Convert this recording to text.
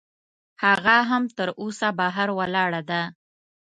هغه هم تراوسه بهر ولاړه ده.